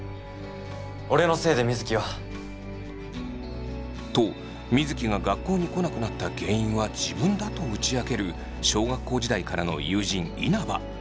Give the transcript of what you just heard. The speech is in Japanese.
俺のせいで水城は。と水城が学校に来なくなった原因は自分だと打ち明ける小学校時代からの友人稲葉。